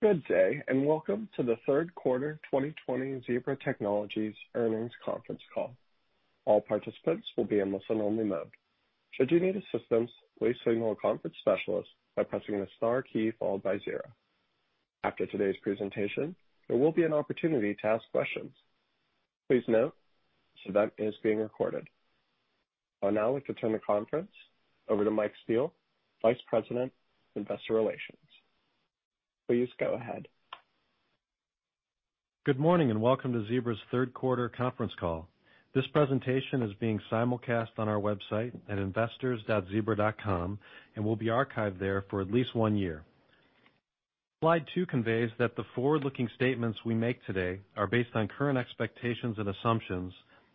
Good day, and welcome to the Q3 2020 Zebra Technologies earnings conference call. I would now like to turn the conference over to Mike Steele, Vice President, Investor Relations. Please go ahead. Good morning, and welcome to Zebra's Q3 conference call. This presentation is being simulcast on our website at investors.zebra.com and will be archived there for at least one year. Slide two conveys that the forward-looking statements we make today are based on current expectations and assumptions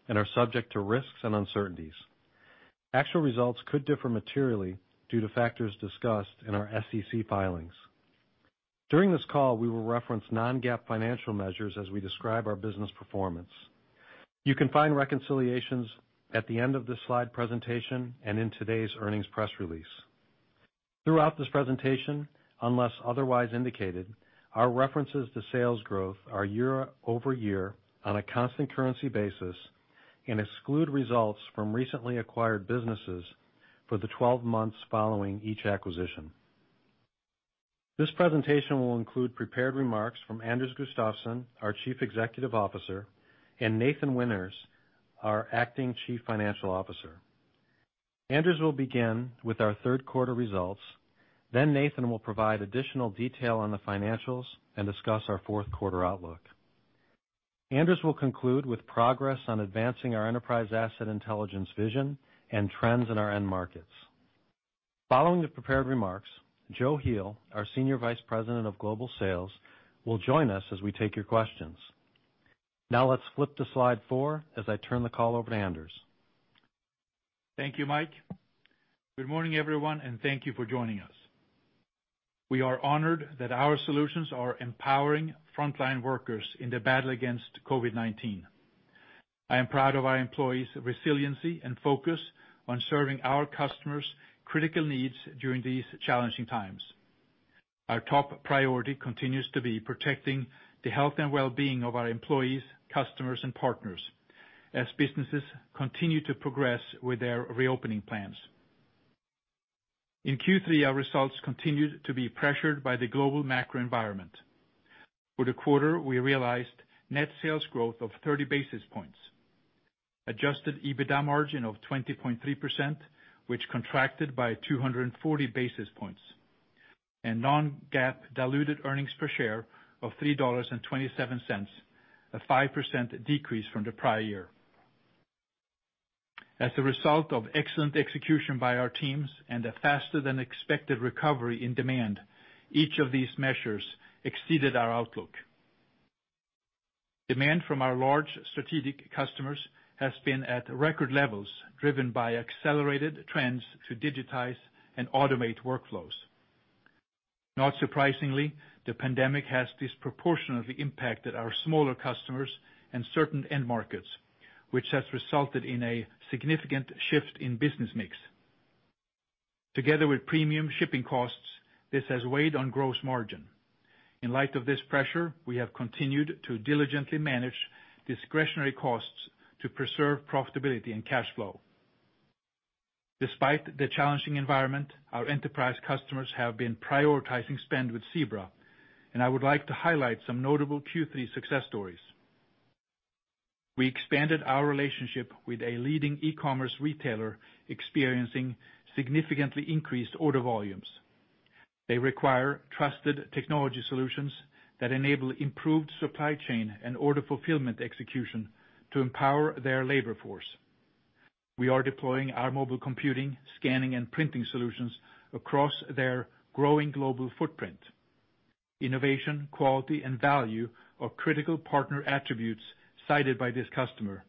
and are subject to risks and uncertainties. Actual results could differ materially due to factors discussed in our SEC filings. During this call, we will reference non-GAAP financial measures as we describe our business performance. You can find reconciliations at the end of this slide presentation and in today's earnings press release. Throughout this presentation, unless otherwise indicated, our references to sales growth are year-over-year on a constant currency basis and exclude results from recently acquired businesses for the 12 months following each acquisition. This presentation will include prepared remarks from Anders Gustafsson, our Chief Executive Officer, and Nathan Winters, our Acting Chief Financial Officer. Anders will begin with our Q3 results. Nathan will provide additional detail on the financials and discuss our Q4 outlook. Anders will conclude with progress on advancing our Enterprise Asset Intelligence vision and trends in our end markets. Following the prepared remarks, Joe Heel, our Senior Vice President of Global Sales, will join us as we take your questions. Now let's flip to slide four as I turn the call over to Anders. Thank you, Mike. Good morning, everyone. Thank you for joining us. We are honored that our solutions are empowering frontline workers in the battle against COVID-19. I am proud of our employees' resiliency and focus on serving our customers' critical needs during these challenging times. Our top priority continues to be protecting the health and well-being of our employees, customers, and partners as businesses continue to progress with their reopening plans. In Q3, our results continued to be pressured by the global macro environment. For the quarter, we realized net sales growth of 30 basis points, adjusted EBITDA margin of 20.3%, which contracted by 240 basis points, and non-GAAP diluted earnings per share of $3.27, a 5% decrease from the prior year. As a result of excellent execution by our teams and a faster than expected recovery in demand, each of these measures exceeded our outlook. Demand from our large strategic customers has been at record levels, driven by accelerated trends to digitize and automate workflows. Not surprisingly, the pandemic has disproportionately impacted our smaller customers and certain end markets, which has resulted in a significant shift in business mix. Together with premium shipping costs, this has weighed on gross margin. In light of this pressure, we have continued to diligently manage discretionary costs to preserve profitability and cash flow. Despite the challenging environment, our enterprise customers have been prioritizing spend with Zebra, and I would like to highlight some notable Q3 success stories. We expanded our relationship with a leading e-commerce retailer experiencing significantly increased order volumes. They require trusted technology solutions that enable improved supply chain and order fulfillment execution to empower their labor force. We are deploying our mobile computing, scanning, and printing solutions across their growing global footprint. Innovation, quality, and value are critical partner attributes cited by this customer,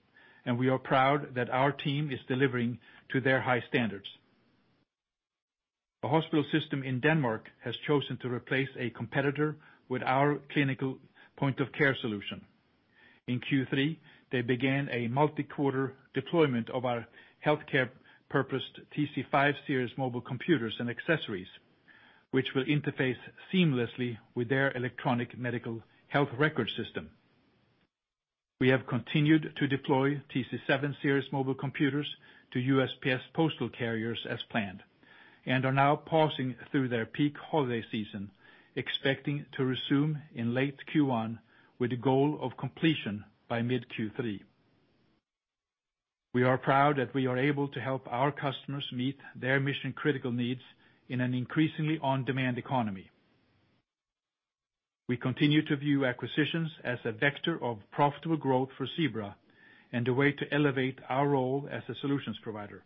and we are proud that our team is delivering to their high standards. A hospital system in Denmark has chosen to replace a competitor with our clinical point of care solution. In Q3, they began a multi-quarter deployment of our healthcare purposed TC5 series mobile computers and accessories, which will interface seamlessly with their electronic medical health record system. We have continued to deploy TC7 series mobile computers to USPS postal carriers as planned and are now passing through their peak holiday season, expecting to resume in late Q1 with the goal of completion by mid Q3. We are proud that we are able to help our customers meet their mission-critical needs in an increasingly on-demand economy. We continue to view acquisitions as a vector of profitable growth for Zebra and a way to elevate our role as a solutions provider.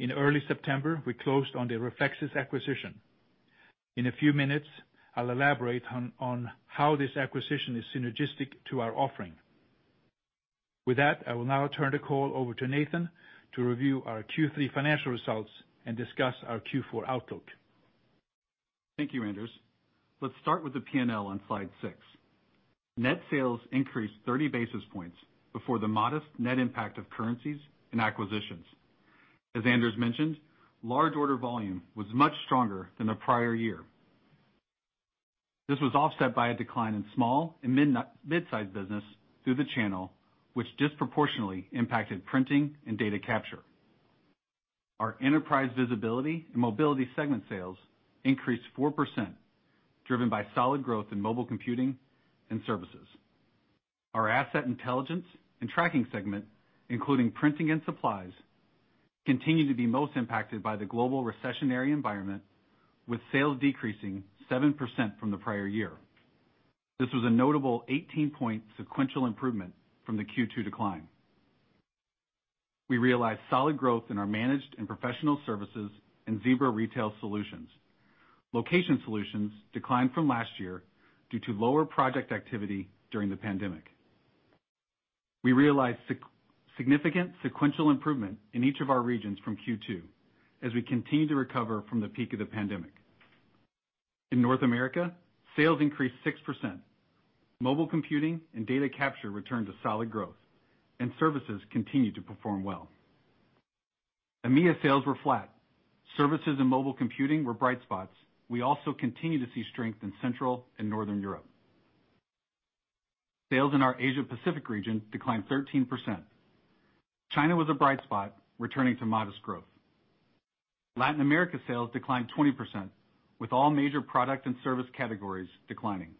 In early September, we closed on the Reflexis acquisition. In a few minutes, I'll elaborate on how this acquisition is synergistic to our offering. With that, I will now turn the call over to Nathan to review our Q3 financial results and discuss our Q4 outlook. Thank you, Anders. Let's start with the P&L on slide six. Net sales increased 30 basis points before the modest net impact of currencies and acquisitions. As Anders mentioned, large order volume was much stronger than the prior year. This was offset by a decline in small and mid-sized business through the channel, which disproportionately impacted printing and data capture. Our Enterprise Visibility & Mobility segment sales increased 4%, driven by solid growth in mobile computing and services. Our Asset Intelligence and Tracking segment, including printing and supplies, continue to be most impacted by the global recessionary environment, with sales decreasing 7% from the prior year. This was a notable 18-point sequential improvement from the Q2 decline. We realized solid growth in our managed and professional services and Zebra Retail Solutions. Location Solutions declined from last year due to lower project activity during the pandemic. We realized significant sequential improvement in each of our regions from Q2 as we continue to recover from the peak of the pandemic. In North America, sales increased 6%. Mobile computing and data capture returned to solid growth, and services continued to perform well. EMEIA sales were flat. Services and mobile computing were bright spots. We also continue to see strength in Central and Northern Europe. Sales in our Asia Pacific region declined 13%. China was a bright spot, returning to modest growth. Latin America sales declined 20%, with all major product and service categories declining.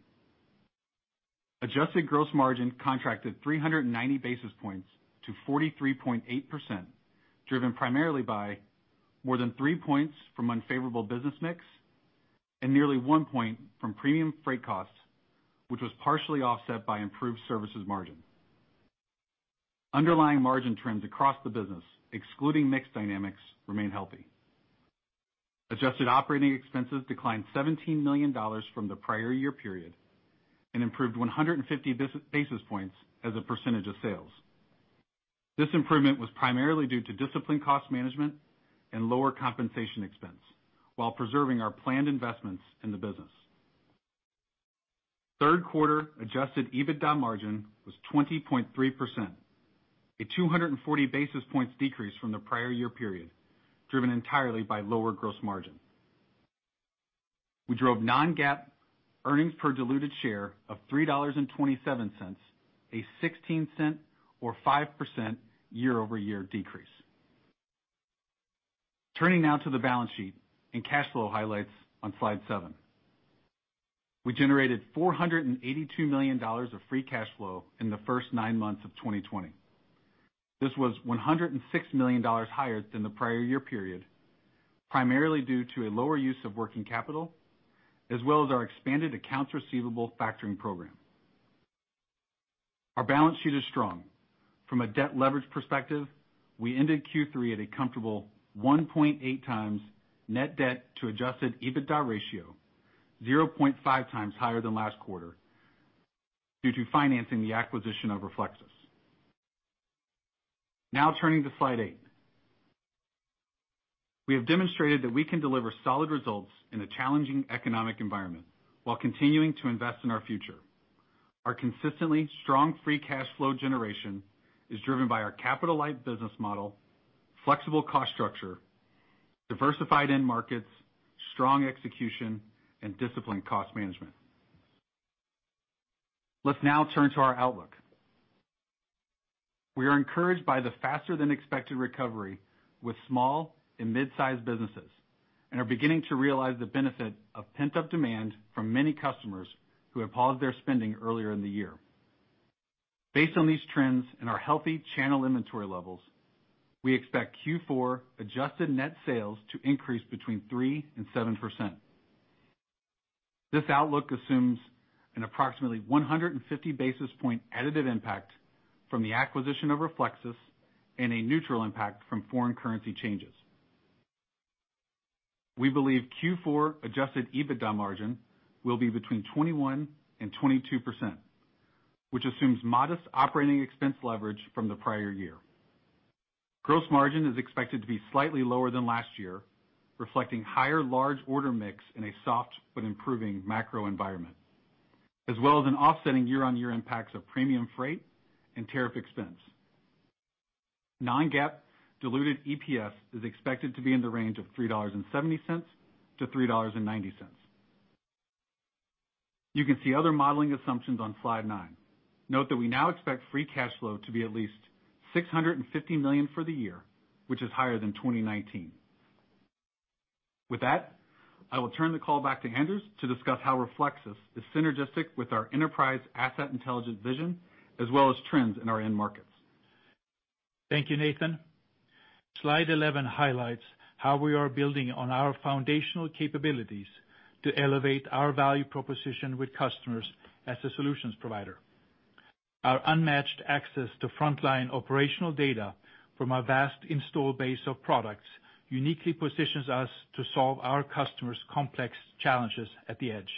Adjusted gross margin contracted 390 basis points to 43.8%, driven primarily by more than three points from unfavorable business mix and nearly one point from premium freight costs, which was partially offset by improved services margin. Underlying margin trends across the business, excluding mix dynamics, remain healthy. Adjusted operating expenses declined $17 million from the prior year period and improved 150 basis points as a percentage of sales. This improvement was primarily due to disciplined cost management and lower compensation expense while preserving our planned investments in the business. Q3 adjusted EBITDA margin was 20.3%, a 240 basis points decrease from the prior year period, driven entirely by lower gross margin. We drove non-GAAP earnings per diluted share of $3.27, a $0.16 or 5% year-over-year decrease. To the balance sheet and cash flow highlights on slide seven. We generated $482 million of free cash flow in the first nine months of 2020. This was $106 million higher than the prior year period, primarily due to a lower use of working capital, as well as our expanded accounts receivable factoring program. Our balance sheet is strong. From a debt leverage perspective, we ended Q3 at a comfortable 1.8x net debt to adjusted EBITDA ratio, 0.5x higher than last quarter, due to financing the acquisition of Reflexis. Now turning to slide eight. We have demonstrated that we can deliver solid results in a challenging economic environment while continuing to invest in our future. Our consistently strong free cash flow generation is driven by our capital-light business model, flexible cost structure, diversified end markets, strong execution, and disciplined cost management. Let's now turn to our outlook. We are encouraged by the faster than expected recovery with small and mid-sized businesses and are beginning to realize the benefit of pent-up demand from many customers who have paused their spending earlier in the year. Based on these trends and our healthy channel inventory levels, we expect Q4 adjusted net sales to increase between 3% and 7%. This outlook assumes an approximately 150 basis point additive impact from the acquisition of Reflexis and a neutral impact from foreign currency changes. We believe Q4 adjusted EBITDA margin will be between 21% and 22%, which assumes modest operating expense leverage from the prior year. Gross margin is expected to be slightly lower than last year, reflecting higher large order mix in a soft but improving macro environment, as well as an offsetting year-on-year impacts of premium freight and tariff expense. Non-GAAP diluted EPS is expected to be in the range of $3.70 to $3.90. You can see other modeling assumptions on slide nine. Note that we now expect free cash flow to be at least $650 million for the year, which is higher than 2019. With that, I will turn the call back to Anders to discuss how Reflexis is synergistic with our Enterprise Asset Intelligence vision, as well as trends in our end markets. Thank you, Nathan. Slide 11 highlights how we are building on our foundational capabilities to elevate our value proposition with customers as a solutions provider. Our unmatched access to frontline operational data from our vast installed base of products uniquely positions us to solve our customers' complex challenges at the edge.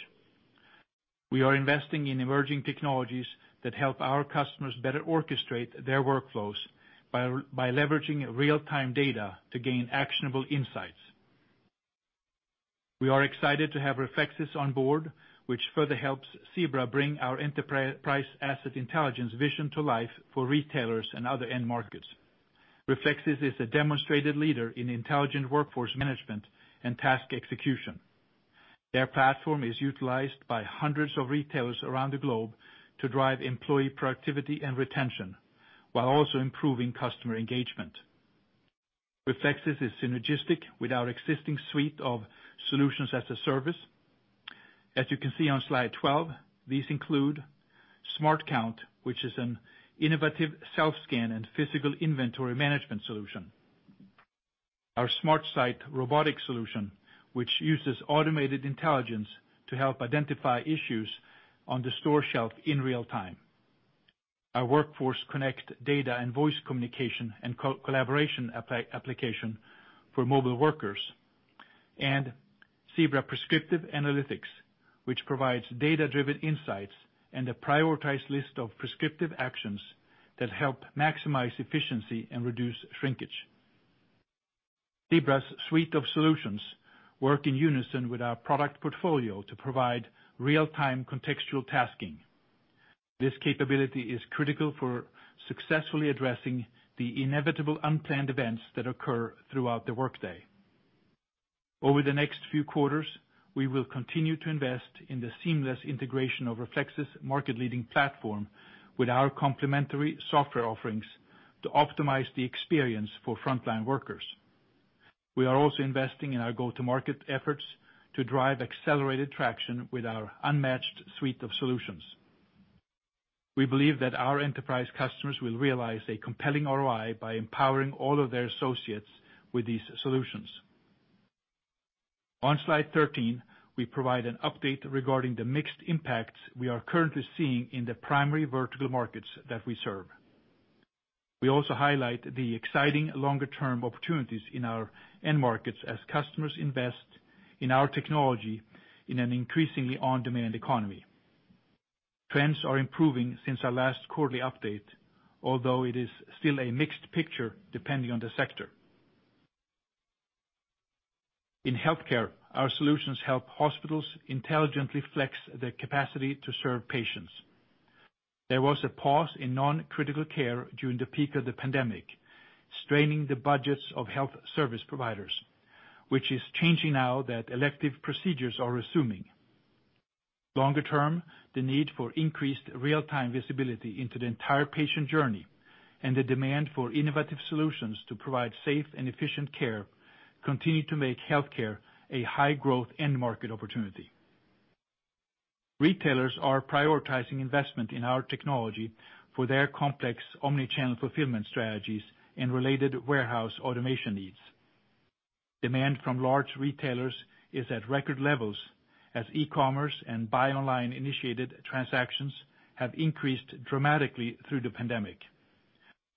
We are investing in emerging technologies that help our customers better orchestrate their workflows by leveraging real-time data to gain actionable insights. We are excited to have Reflexis on board, which further helps Zebra bring our Enterprise Asset Intelligence vision to life for retailers and other end markets. Reflexis is a demonstrated leader in intelligent workforce management and task execution. Their platform is utilized by hundreds of retailers around the globe to drive employee productivity and retention, while also improving customer engagement. Reflexis is synergistic with our existing suite of solutions as a service. As you can see on slide 12, these include SmartCount, which is an innovative self-scan and physical inventory management solution. Our SmartSight robotic solution, which uses automated intelligence to help identify issues on the store shelf in real time. Our Workforce Connect data and voice communication and collaboration application for mobile workers. Zebra Prescriptive Analytics, which provides data-driven insights and a prioritized list of prescriptive actions that help maximize efficiency and reduce shrinkage. Zebra's suite of solutions work in unison with our product portfolio to provide real-time contextual tasking. This capability is critical for successfully addressing the inevitable unplanned events that occur throughout the workday. Over the next few quarters, we will continue to invest in the seamless integration of Reflexis' market-leading platform with our complementary software offerings to optimize the experience for frontline workers. We are also investing in our go-to-market efforts to drive accelerated traction with our unmatched suite of solutions. We believe that our enterprise customers will realize a compelling ROI by empowering all of their associates with these solutions. On slide 13, we provide an update regarding the mixed impacts we are currently seeing in the primary vertical markets that we serve. We also highlight the exciting longer-term opportunities in our end markets as customers invest in our technology in an increasingly on-demand economy. Trends are improving since our last quarterly update, although it is still a mixed picture depending on the sector. In healthcare, our solutions help hospitals intelligently flex their capacity to serve patients. There was a pause in non-critical care during the peak of the pandemic, straining the budgets of health service providers, which is changing now that elective procedures are resuming. Longer term, the need for increased real-time visibility into the entire patient journey and the demand for innovative solutions to provide safe and efficient care continue to make healthcare a high growth end market opportunity. Retailers are prioritizing investment in our technology for their complex omni-channel fulfillment strategies and related warehouse automation needs. Demand from large retailers is at record levels as e-commerce and buy online initiated transactions have increased dramatically through the pandemic.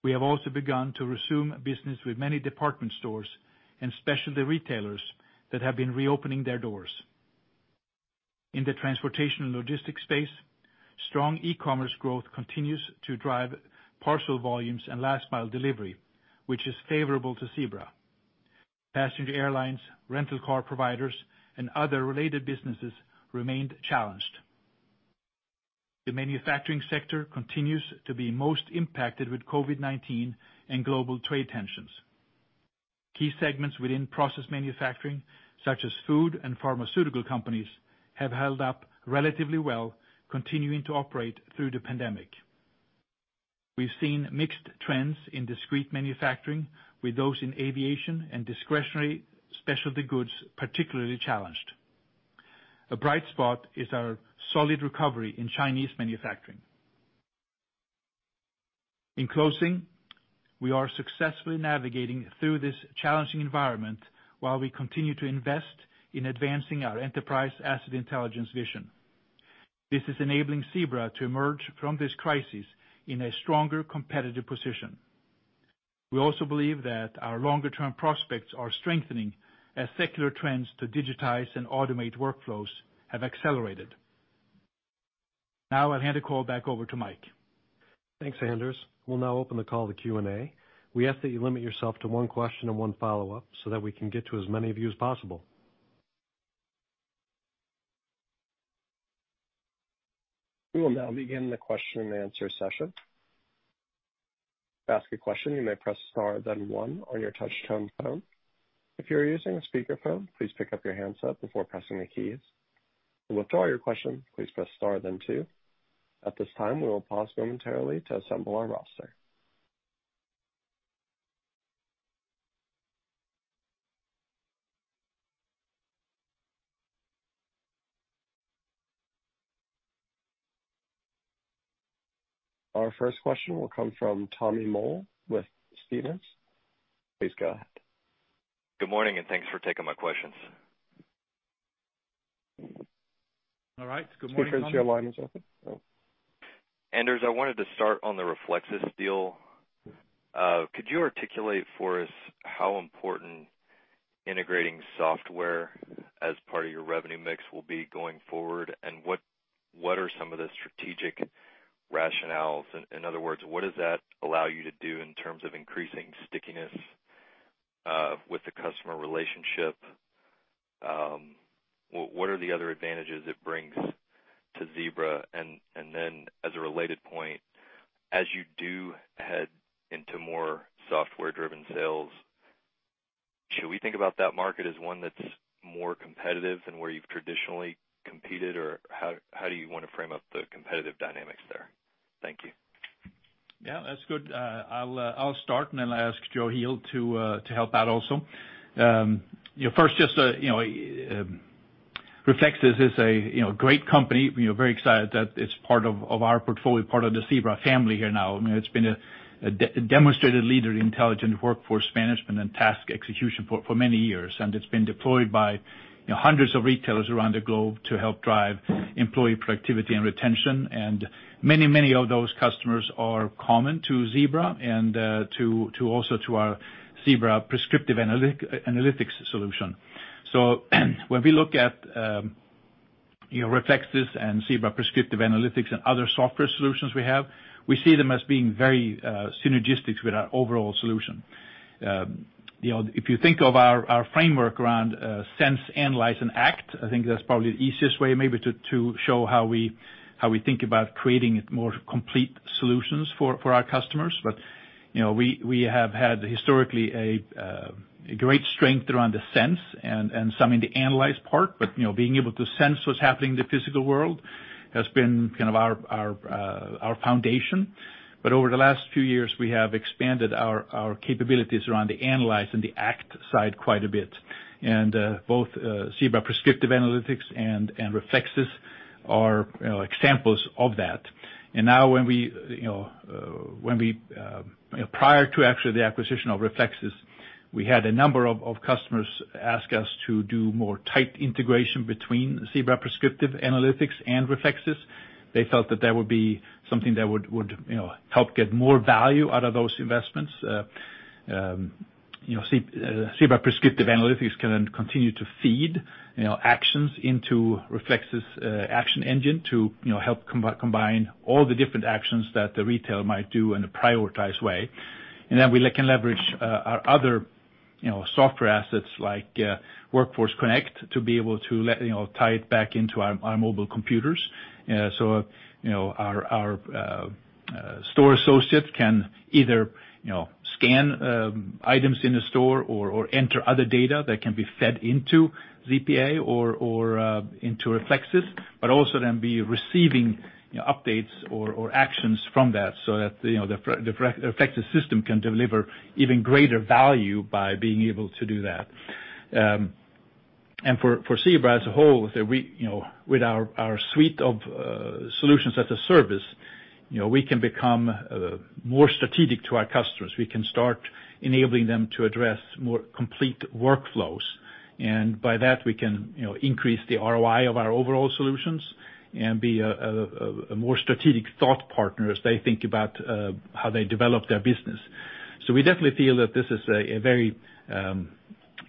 We have also begun to resume business with many department stores and specialty retailers that have been reopening their doors. In the transportation and logistics space, strong e-commerce growth continues to drive parcel volumes and last mile delivery, which is favorable to Zebra. Passenger airlines, rental car providers, and other related businesses remained challenged. The manufacturing sector continues to be most impacted with COVID-19 and global trade tensions. Key segments within process manufacturing, such as food and pharmaceutical companies, have held up relatively well, continuing to operate through the pandemic. We've seen mixed trends in discrete manufacturing with those in aviation and discretionary specialty goods particularly challenged. A bright spot is our solid recovery in Chinese manufacturing. In closing, we are successfully navigating through this challenging environment while we continue to invest in advancing our Enterprise Asset Intelligence vision. This is enabling Zebra to emerge from this crisis in a stronger competitive position. We also believe that our longer term prospects are strengthening as secular trends to digitize and automate workflows have accelerated. Now I'll hand the call back over to Mike. Thanks, Anders. We'll now open the call to Q&A. We ask that you limit yourself to one question and one follow-up so that we can get to as many of you as possible. Our first question will come from Tommy Moll with Stephens. Please go ahead. Good morning, and thanks for taking my questions. All right. Good morning, Tommy. Speaker, is your line open? Oh. Anders, I wanted to start on the Reflexis deal. Could you articulate for us how important integrating software as part of your revenue mix will be going forward? What are some of the strategic rationales? In other words, what does that allow you to do in terms of increasing stickiness with the customer relationship? What are the other advantages it brings to Zebra? As a related point, as you do head into more software-driven sales, should we think about that market as one that's more competitive than where you've traditionally competed? How do you want to frame up the competitive dynamics there? Thank you. Yeah, that's good. I'll start and then I'll ask Joe Heel to help out also. Reflexis is a great company. We're very excited that it's part of our portfolio, part of the Zebra family here now. It's been a demonstrated leader in intelligent workforce management and task execution for many years, and it's been deployed by hundreds of retailers around the globe to help drive employee productivity and retention. Many of those customers are common to Zebra and also to our Zebra Prescriptive Analytics solution. When we look at Reflexis and Zebra Prescriptive Analytics and other software solutions we have, we see them as being very synergistic with our overall solution. If you think of our framework around sense, analyze, and act, I think that's probably the easiest way maybe to show how we think about creating more complete solutions for our customers. We have had historically a great strength around the sense and some in the analyze part. Being able to sense what's happening in the physical world has been kind of our foundation. Over the last few years, we have expanded our capabilities around the analyze and the act side quite a bit. Both Zebra Prescriptive Analytics and Reflexis are examples of that. Now, prior to actually the acquisition of Reflexis, we had a number of customers ask us to do more tight integration between Zebra Prescriptive Analytics and Reflexis. They felt that that would be something that would help get more value out of those investments. Zebra Prescriptive Analytics can then continue to feed actions into Reflexis' action engine to help combine all the different actions that the retailer might do in a prioritized way. Then we can leverage our other software assets like Workforce Connect to be able to tie it back into our mobile computers. Our store associates can either scan items in the store or enter other data that can be fed into ZPA or into Reflexis, also then be receiving updates or actions from that the Reflexis system can deliver even greater value by being able to do that. For Zebra as a whole, with our suite of solutions as a service, we can become more strategic to our customers. We can start enabling them to address more complete workflows. By that, we can increase the ROI of our overall solutions and be a more strategic thought partner as they think about how they develop their business. We definitely feel that this is a very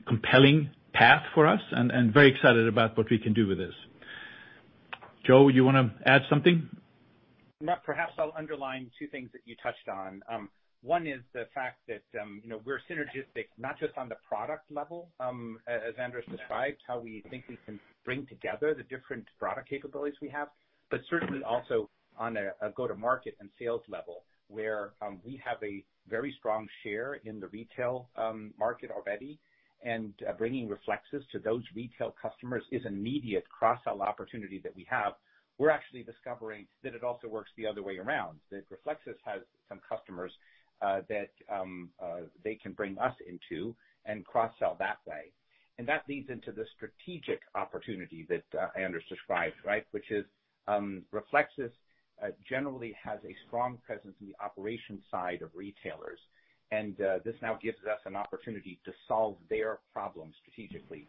compelling path for us, and very excited about what we can do with this. Joe, you want to add something? Perhaps I'll underline two things that you touched on. One is the fact that we're synergistic, not just on the product level, as Anders described, how we think we can bring together the different product capabilities we have, but certainly also on a go-to-market and sales level, where we have a very strong share in the retail market already. Bringing Reflexis to those retail customers is immediate cross-sell opportunity that we have. We're actually discovering that it also works the other way around, that Reflexis has some customers that they can bring us into and cross-sell that way. That leads into the strategic opportunity that Anders described, which is Reflexis generally has a strong presence in the operations side of retailers. This now gives us an opportunity to solve their problems strategically.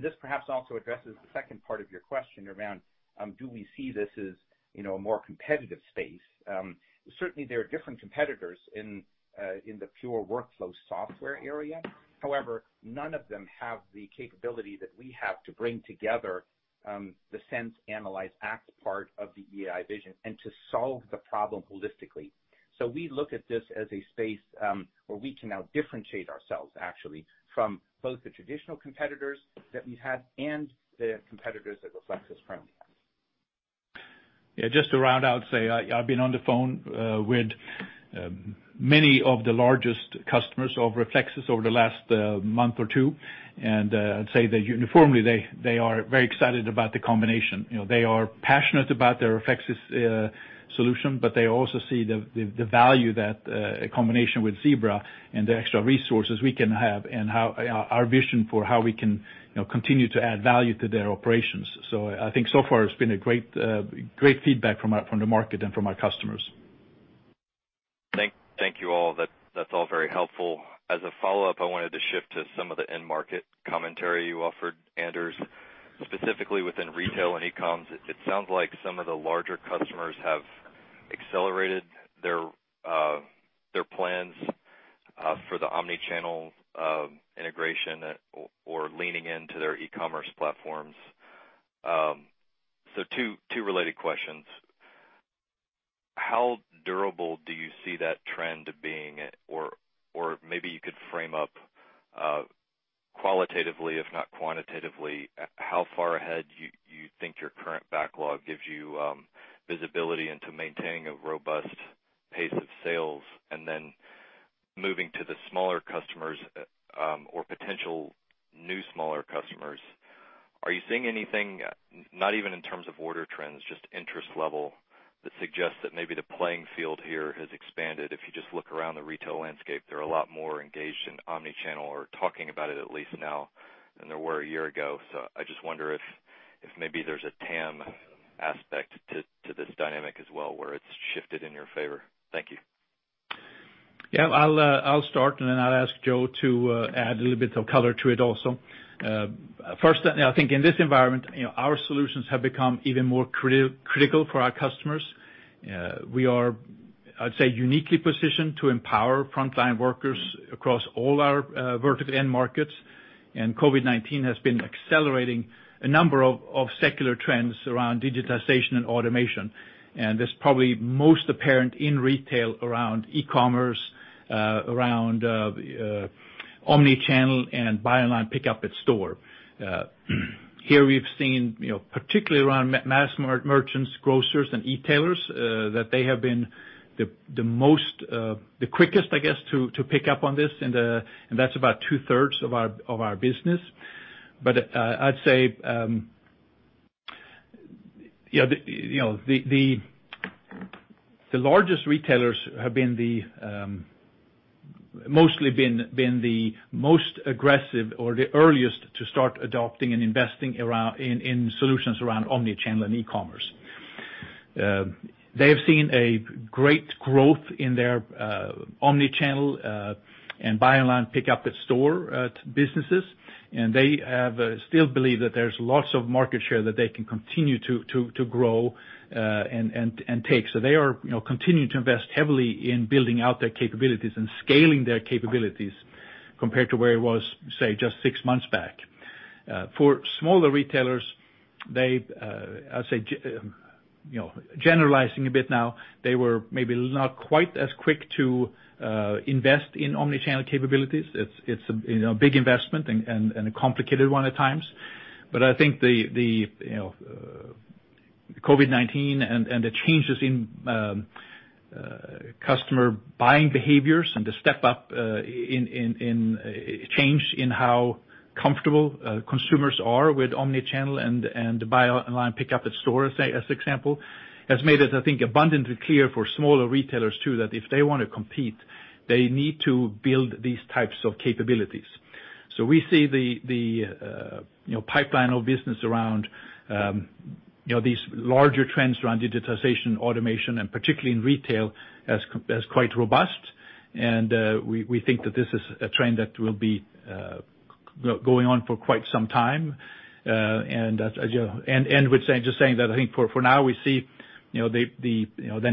This perhaps also addresses the second part of your question around, do we see this as a more competitive space? Certainly, there are different competitors in the pure workflow software area. However, none of them have the capability that we have to bring together the sense, analyze, act part of the EAI vision and to solve the problem holistically. We look at this as a space where we can now differentiate ourselves actually from both the traditional competitors that we had and the competitors that Reflexis currently has. Yeah, just to round out, say, I've been on the phone with many of the largest customers of Reflexis over the last month or two, and I'd say that uniformly, they are very excited about the combination. They are passionate about their Reflexis solution, but they also see the value that a combination with Zebra and the extra resources we can have and our vision for how we can continue to add value to their operations. I think so far it's been a great feedback from the market and from our customers. Thank you all. That's all very helpful. As a follow-up, I wanted to shift to some of the end market commentary you offered, Anders. Specifically, within retail and e-commerce, it sounds like some of the larger customers have accelerated their plans for the omni-channel integration or leaning into their e-commerce platforms. Two related questions. How durable do you see that trend being? Or maybe you could frame up qualitatively, if not quantitatively, how far ahead you think your current backlog gives you visibility into maintaining a robust pace of sales. Moving to the smaller customers or potential new smaller customers, are you seeing anything, not even in terms of order trends, just interest level, that suggests that maybe the playing field here has expanded? If you just look around the retail landscape, they're a lot more engaged in omni-channel or talking about it at least now than they were a year ago. I just wonder if maybe there's a TAM aspect to this dynamic as well, where it's shifted in your favor. Thank you. Yeah, I'll start, and then I'll ask Joe to add a little bit of color to it also. First, I think in this environment, our solutions have become even more critical for our customers. We are, I'd say, uniquely positioned to empower frontline workers across all our vertical end markets, and COVID-19 has been accelerating a number of secular trends around digitization and automation. It's probably most apparent in retail, around e-commerce, around omni-channel, and buy online, pick up at store. Here we've seen, particularly around mass merchants, grocers, and e-tailers, that they have been the quickest, I guess, to pick up on this, and that's about two-thirds of our business. I'd say, the largest retailers have mostly been the most aggressive or the earliest to start adopting and investing in solutions around omni-channel and e-commerce. They have seen a great growth in their omni-channel and buy online, pick up at store businesses, and they still believe that there's lots of market share that they can continue to grow and take. They are continuing to invest heavily in building out their capabilities and scaling their capabilities compared to where it was, say, just six months back. For smaller retailers, I'll say, generalizing a bit now, they were maybe not quite as quick to invest in omni-channel capabilities. It's a big investment and a complicated one at times. I think the COVID-19 and the changes in customer buying behaviors, and the step-up in change in how comfortable consumers are with omni-channel and buy online, pick up at store, as example, has made it, I think, abundantly clear for smaller retailers too, that if they want to compete, they need to build these types of capabilities. We see the pipeline of business around these larger trends around digitization, automation, and particularly in retail, as quite robust, and we think that this is a trend that will be going on for quite some time. With just saying that I think for now we see then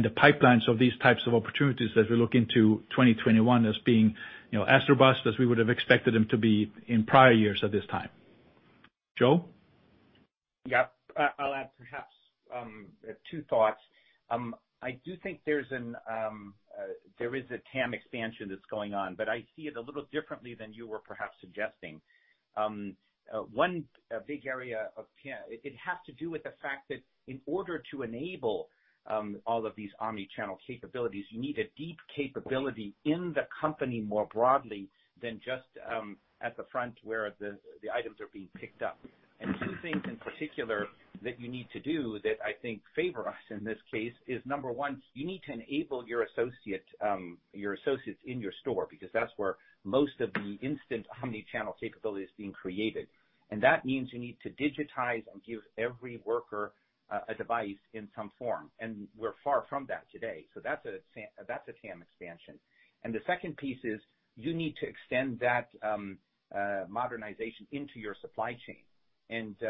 the pipelines of these types of opportunities as we look into 2021 as being as robust as we would've expected them to be in prior years at this time. Joe? Yeah. I'll add perhaps two thoughts. I do think there is a TAM expansion that's going on, I see it a little differently than you were perhaps suggesting. One big area, it has to do with the fact that in order to enable all of these omni-channel capabilities, you need a deep capability in the company more broadly than just at the front where the items are being picked up. Two things in particular that you need to do that I think favor us in this case is, number one, you need to enable your associates in your store, because that's where most of the instant omni-channel capability is being created. That means you need to digitize and give every worker a device in some form. We're far from that today, so that's a TAM expansion. The second piece is you need to extend that modernization into your supply chain.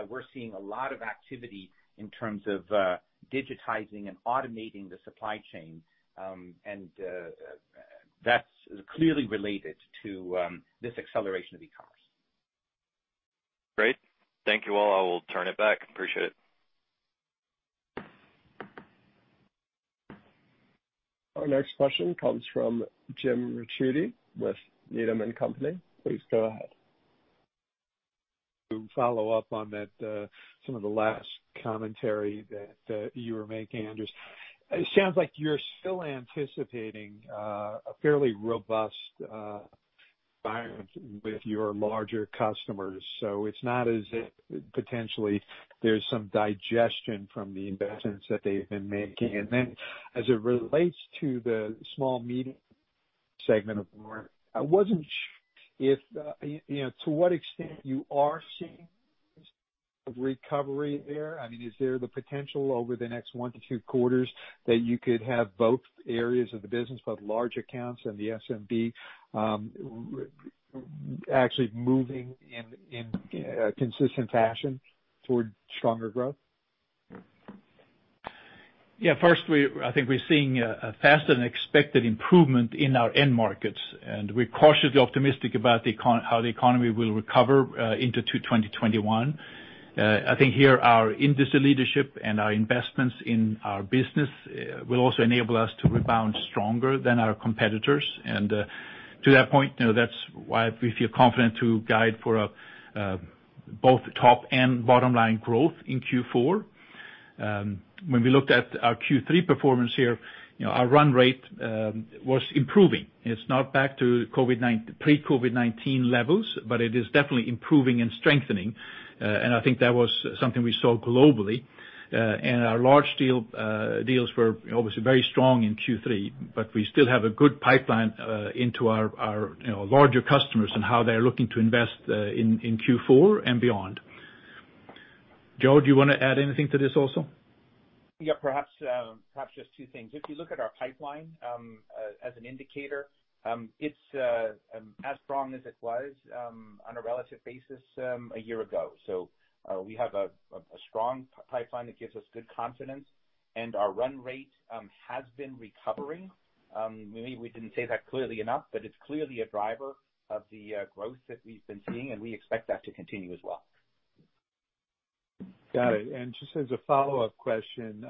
We're seeing a lot of activity in terms of digitizing and automating the supply chain, and that's clearly related to this acceleration of e-commerce. Great. Thank you all. I will turn it back. Appreciate it. Our next question comes from Jim Ricchiuti with Needham & Company. Please go ahead. To follow up on some of the last commentary that you were making, Anders. It sounds like you're still anticipating a fairly robust environment with your larger customers, so it's not as if potentially there's some digestion from the investments that they've been making. Then as it relates to the small, medium segment of the market, I wasn't sure to what extent you are seeing recovery there. Is there the potential over the next one to two quarters that you could have both areas of the business, both large accounts and the SMB, actually moving in a consistent fashion toward stronger growth? Yeah. First, I think we're seeing a faster than expected improvement in our end markets. We're cautiously optimistic about how the economy will recover into 2021. I think here, our industry leadership and our investments in our business will also enable us to rebound stronger than our competitors. To that point, that's why we feel confident to guide for both top and bottom-line growth in Q4. When we looked at our Q3 performance here, our run rate was improving. It's not back to pre-COVID-19 levels. It is definitely improving and strengthening. I think that was something we saw globally. Our large deals were obviously very strong in Q3. We still have a good pipeline into our larger customers and how they're looking to invest in Q4 and beyond. Joe, do you want to add anything to this also? Yeah, perhaps just two things. If you look at our pipeline, as an indicator, it's as strong as it was on a relative basis a year ago. We have a strong pipeline that gives us good confidence, and our run rate has been recovering. Maybe we didn't say that clearly enough, but it's clearly a driver of the growth that we've been seeing, and we expect that to continue as well. Got it. Just as a follow-up question,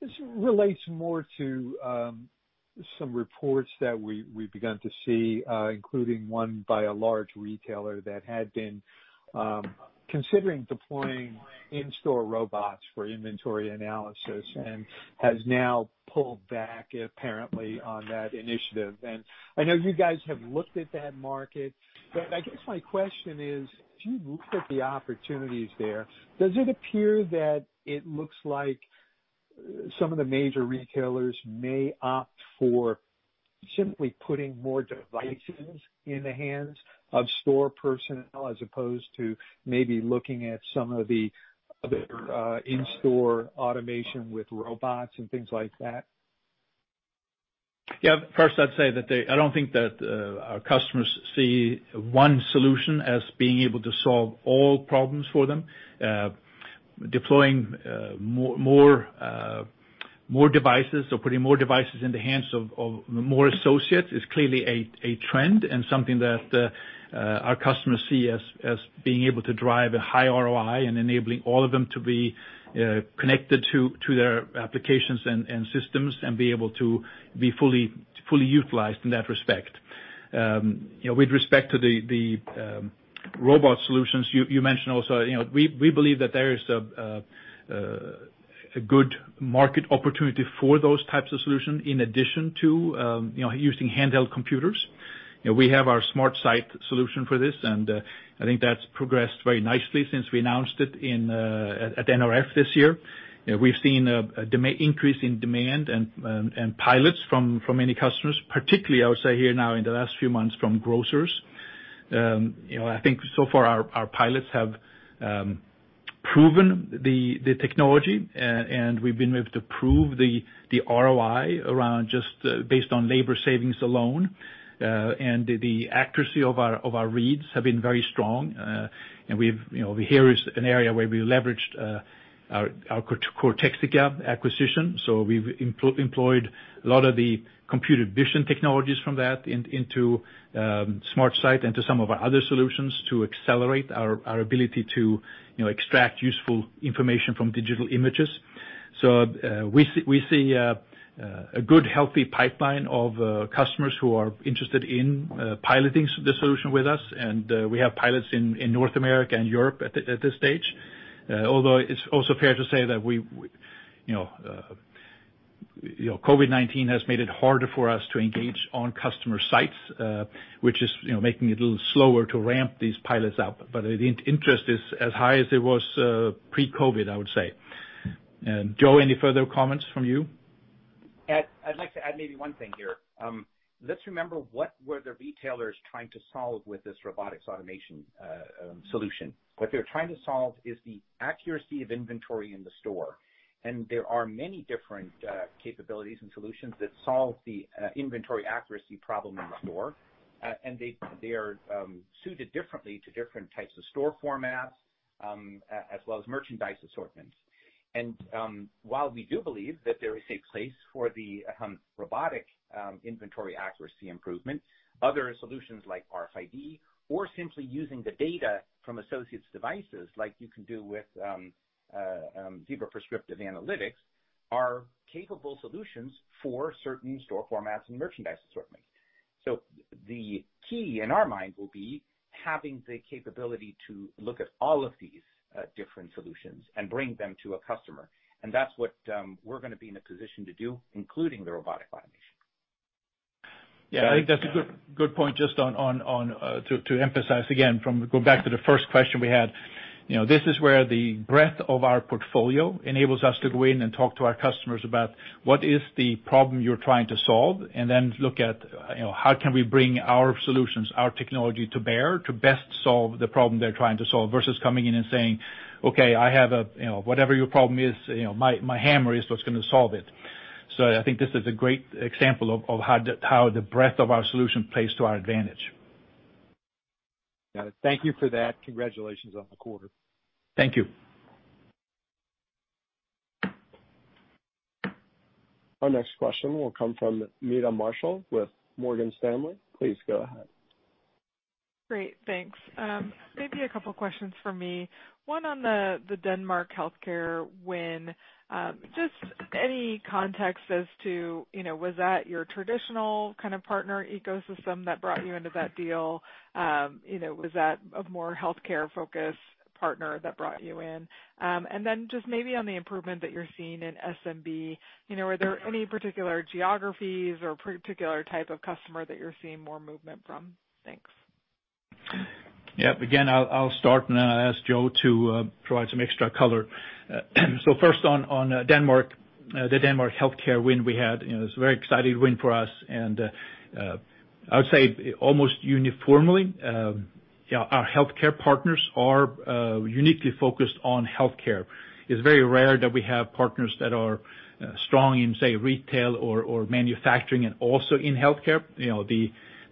this relates more to some reports that we've begun to see, including one by a large retailer that had been considering deploying in-store robots for inventory analysis and has now pulled back apparently on that initiative. I know you guys have looked at that market, but I guess my question is, as you look at the opportunities there, does it appear that it looks like some of the major retailers may opt for simply putting more devices in the hands of store personnel, as opposed to maybe looking at some of the other in-store automation with robots and things like that? Yeah. First, I'd say that I don't think that our customers see one solution as being able to solve all problems for them. Deploying more devices or putting more devices in the hands of more associates is clearly a trend and something that our customers see as being able to drive a high ROI and enabling all of them to be connected to their applications and systems and be able to be fully utilized in that respect. With respect to the robot solutions you mentioned also, we believe that there is a good market opportunity for those types of solution in addition to using handheld computers. We have our SmartSight solution for this, and I think that's progressed very nicely since we announced it at NRF this year. We've seen an increase in demand and pilots from many customers, particularly, I would say, here now in the last few months from grocers. I think so far our pilots have proven the technology, we've been able to prove the ROI around just based on labor savings alone. The accuracy of our reads have been very strong. Here is an area where we leveraged our Cortexica acquisition. We've employed a lot of the computer vision technologies from that into SmartSight and to some of our other solutions to accelerate our ability to extract useful information from digital images. We see a good, healthy pipeline of customers who are interested in piloting the solution with us, and we have pilots in North America and Europe at this stage. It's also fair to say that COVID-19 has made it harder for us to engage on customer sites, which is making it a little slower to ramp these pilots up. The interest is as high as it was pre-COVID, I would say. Joe, any further comments from you? I'd like to add maybe one thing here. Let's remember, what were the retailers trying to solve with this robotics automation solution? What they're trying to solve is the accuracy of inventory in the store. There are many different capabilities and solutions that solve the inventory accuracy problem in the store. They are suited differently to different types of store formats, as well as merchandise assortments. While we do believe that there is a place for the robotic inventory accuracy improvement, other solutions like RFID or simply using the data from associates' devices, like you can do with Zebra Prescriptive Analytics, are capable solutions for certain store formats and merchandise assortment. The key in our mind will be having the capability to look at all of these different solutions and bring them to a customer. That's what we're going to be in a position to do, including the robotic automation. I think that's a good point, just to emphasize again, going back to the first question we had. This is where the breadth of our portfolio enables us to go in and talk to our customers about what is the problem you're trying to solve, and then look at how can we bring our solutions, our technology to bear to best solve the problem they're trying to solve, versus coming in and saying, "Okay, whatever your problem is, my hammer is what's going to solve it." I think this is a great example of how the breadth of our solution plays to our advantage. Got it. Thank you for that. Congratulations on the quarter. Thank you. Our next question will come from Meta Marshall with Morgan Stanley. Please go ahead. Great, thanks. Maybe a couple questions from me. One on the Denmark healthcare win. Just any context as to, was that your traditional kind of partner ecosystem that brought you into that deal? Was that a more healthcare-focused partner that brought you in? Then just maybe on the improvement that you're seeing in SMB. Are there any particular geographies or particular type of customer that you're seeing more movement from? Thanks. I'll start and then I'll ask Joe to provide some extra color. First on Denmark, the Denmark healthcare win we had. It's a very exciting win for us, and I would say almost uniformly, our healthcare partners are uniquely focused on healthcare. It's very rare that we have partners that are strong in, say, retail or manufacturing and also in healthcare.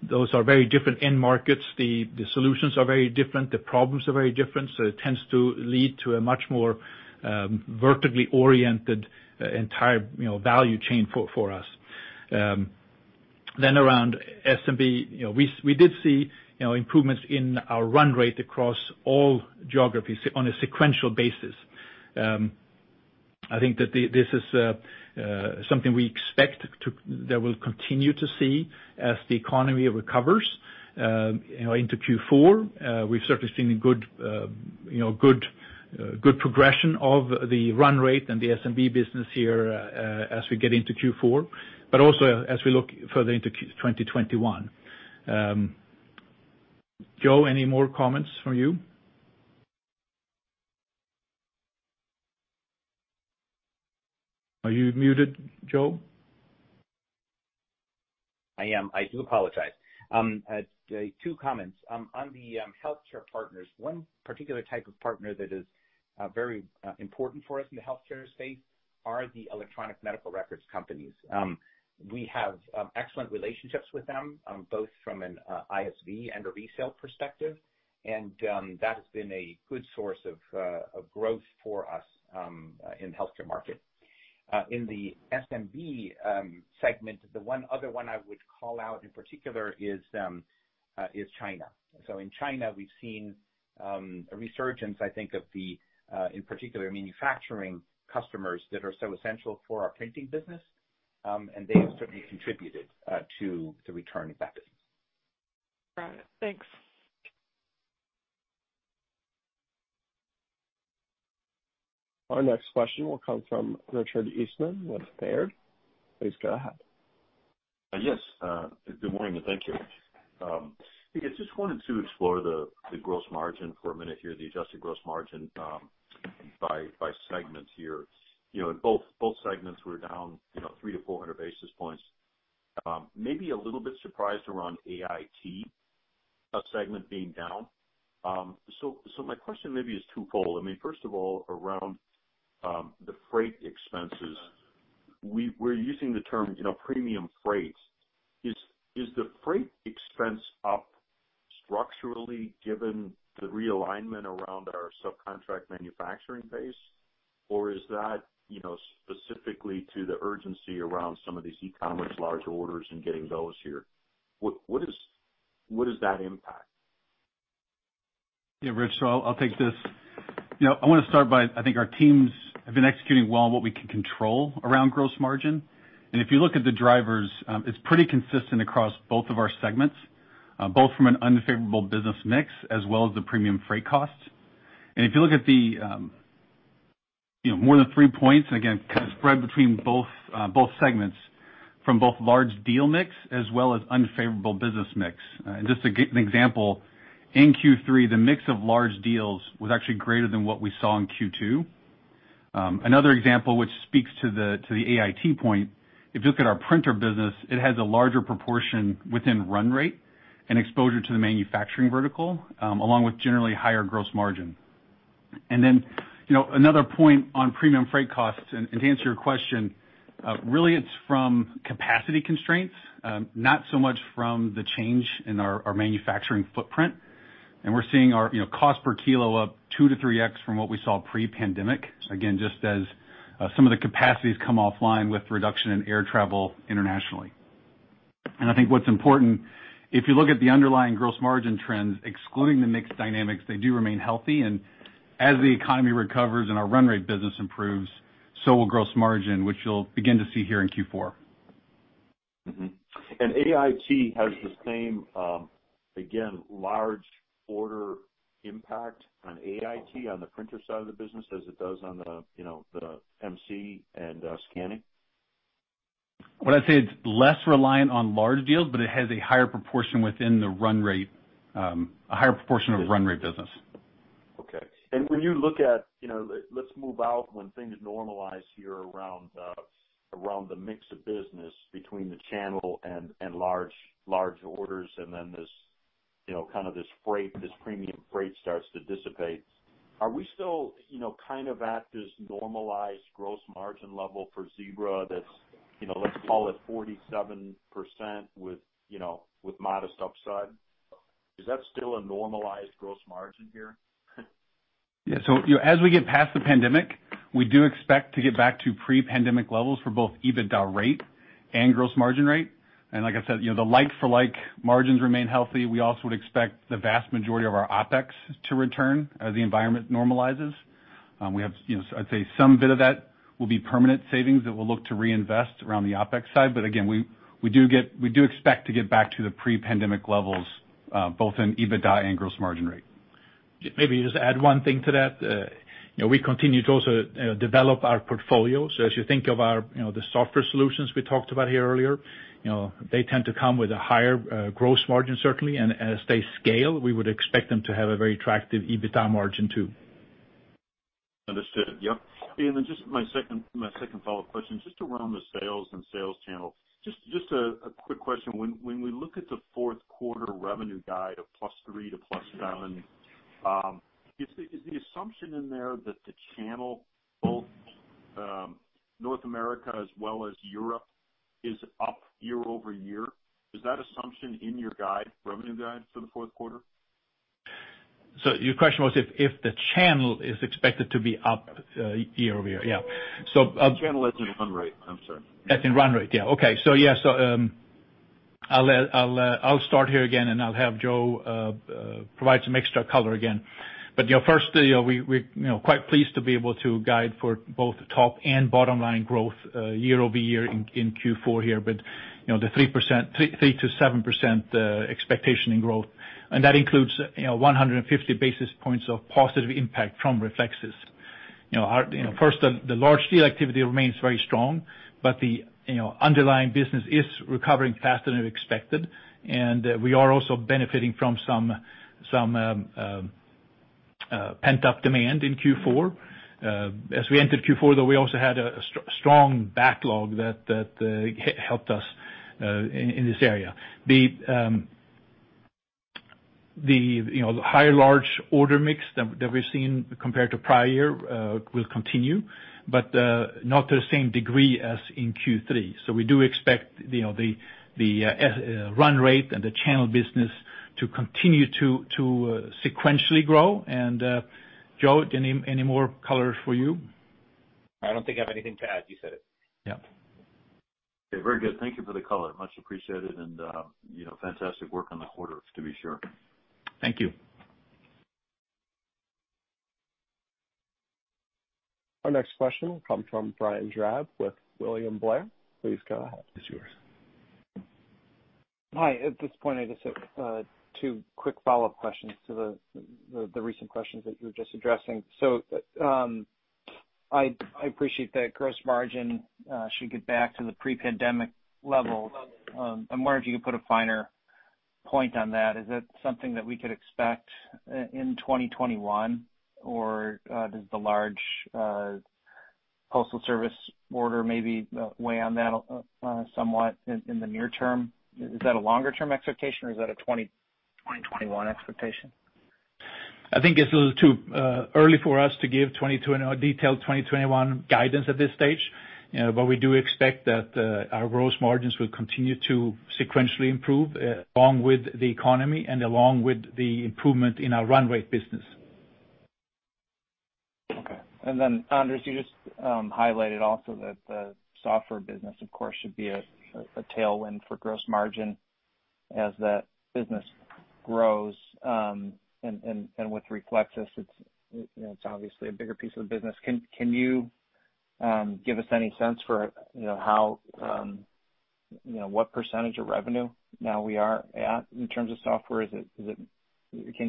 Those are very different end markets. The solutions are very different, the problems are very different, so it tends to lead to a much more vertically oriented entire value chain for us. Around SMB, we did see improvements in our run rate across all geographies on a sequential basis. I think that this is something we expect that we'll continue to see as the economy recovers into Q4. We've certainly seen a good progression of the run rate and the SMB business here as we get into Q4, but also as we look further into 2021. Joe, any more comments from you? Are you muted, Joe? I am. I do apologize. Two comments. On the healthcare partners, one particular type of partner that is very important for us in the healthcare space are the electronic medical records companies. We have excellent relationships with them, both from an ISV and a resale perspective, and that has been a good source of growth for us in the healthcare market. In the SMB segment, the one other one I would call out in particular is China. In China, we've seen a resurgence, I think, of the, in particular, manufacturing customers that are so essential for our printing business. They've certainly contributed to the return of that business. Got it. Thanks. Our next question will come from Richard Eastman with Baird. Please go ahead. Yes. Good morning, and thank you. I guess just wanted to explore the gross margin for a minute here, the adjusted gross margin by segment here. Both segments were down three to 400 basis points. Maybe a little bit surprised around AIT segment being down. So my question maybe is twofold. First of all, around the freight expenses, we're using the term premium freight. Is the freight expense up structurally given the realignment around our subcontract manufacturing base, or is that specifically to the urgency around some of these e-commerce large orders and getting those here? What is that impact? Yeah, Rich, I'll take this. I want to start by, I think our teams have been executing well on what we can control around gross margin. If you look at the drivers, it's pretty consistent across both of our segments, both from an unfavorable business mix as well as the premium freight costs. If you look at the more than three points, again, spread between both segments from both large deal mix as well as unfavorable business mix. Just to give an example, in Q3, the mix of large deals was actually greater than what we saw in Q2. Another example, which speaks to the AIT point, if you look at our printer business, it has a larger proportion within run rate and exposure to the manufacturing vertical, along with generally higher gross margin. Another point on premium freight costs, and to answer your question, really it's from capacity constraints, not so much from the change in our manufacturing footprint. We're seeing our cost per kilo up 2x to 3x from what we saw pre-pandemic. Again, just as some of the capacities come offline with reduction in air travel internationally. I think what's important, if you look at the underlying gross margin trends, excluding the mix dynamics, they do remain healthy. As the economy recovers and our run rate business improves, so will gross margin, which you'll begin to see here in Q4. AIT has the same, again, large order impact on AIT on the printer side of the business as it does on the MC and scanning? What I'd say, it's less reliant on large deals, but it has a higher proportion of run rate business. Okay. When you look at, let's move out when things normalize here around the mix of business between the channel and large orders, and then this kind of premium freight starts to dissipate. Are we still kind of at this normalized gross margin level for Zebra that's, let's call it 47% with modest upside? Is that still a normalized gross margin here? As we get past the pandemic, we do expect to get back to pre-pandemic levels for both EBITDA rate and gross margin rate. Like I said, the like for like margins remain healthy. We also would expect the vast majority of our OPEX to return as the environment normalizes. I'd say some bit of that will be permanent savings that we'll look to reinvest around the OPEX side. Again, we do expect to get back to the pre-pandemic levels, both in EBITDA and gross margin rate. Maybe just add one thing to that. We continue to also develop our portfolio. As you think of the software solutions we talked about here earlier, they tend to come with a higher gross margin, certainly, and as they scale, we would expect them to have a very attractive EBITDA margin too. Understood. Yep. Just my second follow-up question, just around the sales and sales channel. Just a quick question. When we look at the Q4 revenue guide of +3% to +7%, is the assumption in there that the channel, both North America as well as Europe, is up year-over-year? Is that assumption in your revenue guide for the Q4? Your question was if the channel is expected to be up year-over-year, yeah. The channel as in run rate, I'm sorry. As in run rate. Yeah. Okay. I'll start here again, and I'll have Joe provide some extra color again. First, we're quite pleased to be able to guide for both top and bottom-line growth year-over-year in Q4 here. The 3%-7% expectation in growth, and that includes 150 basis points of positive impact from Reflexis. First, the large deal activity remains very strong, but the underlying business is recovering faster than expected, and we are also benefiting from some pent-up demand in Q4. As we entered Q4, though, we also had a strong backlog that helped us in this area. The higher large order mix that we've seen compared to prior will continue, but not to the same degree as in Q3. We do expect the run rate and the channel business to continue to sequentially grow. Joe, any more color for you? I don't think I have anything to add. You said it. Yep. Okay. Very good. Thank you for the color. Much appreciated. Fantastic work on the quarter, to be sure. Thank you. Our next question will come from Brian Drab with William Blair. Please go ahead. Hi. At this point, I just have two quick follow-up questions to the recent questions that you were just addressing. I appreciate that gross margin should get back to the pre-pandemic levels. I'm wondering if you could put a finer point on that. Is that something that we could expect in 2021, or does the large Postal Service order maybe weigh on that somewhat in the near term? Is that a longer-term expectation, or is that a 2021 expectation? I think it's a little too early for us to give detailed 2021 guidance at this stage, but we do expect that our gross margins will continue to sequentially improve along with the economy and along with the improvement in our run rate business. Okay. Anders, you just highlighted also that the software business, of course, should be a tailwind for gross margin as that business grows. With Reflexis, it's obviously a bigger piece of the business. Can you give us any sense for what percentage of revenue now we are at in terms of software? Can